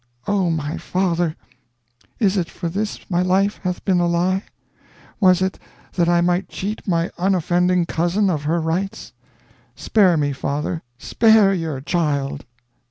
"Oh, my father, is it for this my life hath been a lie? Was it that I might cheat my unoffending cousin of her rights? Spare me, father, spare your child!"